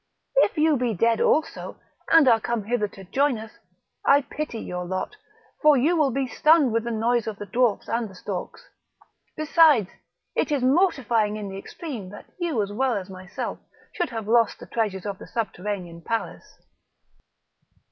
If you be dead also, and are come hither to join us, I pity your lot; for you will be stunned with the noise of the dwarfs and the storks; besides, it is mortifying in the extreme that you, as well as myself, should have lost the treasures of the subterranean palace."